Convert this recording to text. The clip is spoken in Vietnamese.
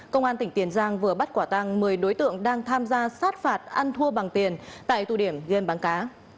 công an tỉnh tiền giang vừa bắt quả tăng một mươi đối tượng đang tham gia sát phạt ăn thua bằng tiền tại tụ điểm ghen bán cá